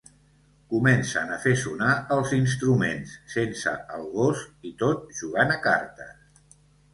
Comencen a fer sonar els instruments sense el gos i tot jugant a cartes.